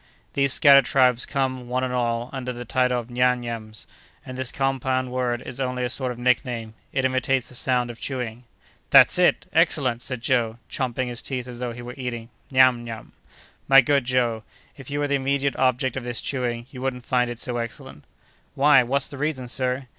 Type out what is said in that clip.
"These scattered tribes come, one and all, under the title of Nyam Nyams, and this compound word is only a sort of nickname. It imitates the sound of chewing." "That's it! Excellent!" said Joe, champing his teeth as though he were eating; "Nyam Nyam." "My good Joe, if you were the immediate object of this chewing, you wouldn't find it so excellent." "Why, what's the reason, sir?"